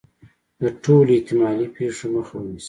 د ټولو احتمالي پېښو مخه ونیسي.